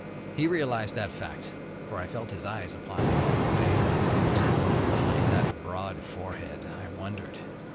He realized that fact, for I felt his eyes upon me all the way. What was going on behind that broad forehead, I wondered.